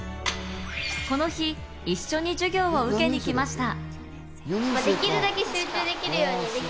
この日、一緒に授業を受けに来ました。